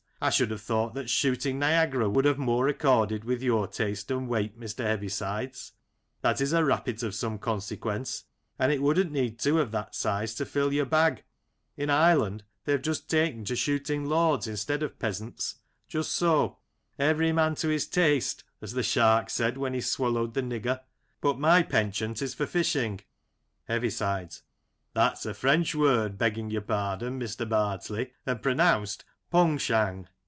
I should have thought that shooting Niagara would have more accorded with your taste and weight, Mr. Heavisides. That is a rappit of some consequence, and it wouldn't need two of that size to fill your bag. In Ireland they have ta'en to shooting lords instead of peasants. Just so, " every man to his taste," as the shark said when he swallowed the nigger, but my penchant is for fishing. Heavisides : That's a French word, begging your pardon, Mr. Bardsley, and pronounced pong shang.